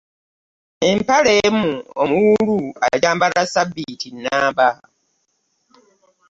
Empale emu omuwuulu agyambala ssabbiiti nnamba!